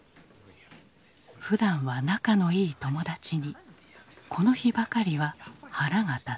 ふだんは仲のいい友達にこの日ばかりは腹が立った。